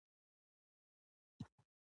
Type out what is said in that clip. کله چې یو څوک په هر میدان کې خپله وړتیا ښایي.